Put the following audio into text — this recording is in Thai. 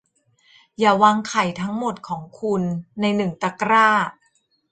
อย่าวางไข่ทั้งหมดของคุณในหนึ่งตะกร้า